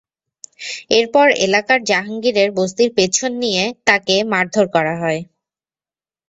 এর পর এলাকার জাহাঙ্গীরের বস্তির পেছন নিয়ে তাঁকে মারধর করা হয়।